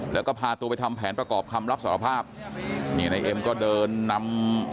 แล้วก็พาตัวไปทำแผนประกอบคำรับสารภาพนี่นายเอ็มก็เดินนำ